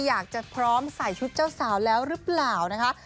อยากจะพร้อมใส่ชุดเจ้าสาวแล้วหรือเปล่านะคะ